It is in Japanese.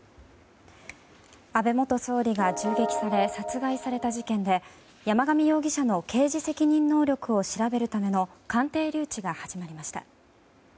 安倍元総理が銃撃され殺害された事件で山上容疑者の刑事責任能力を調べるための鑑定留置が始まりました。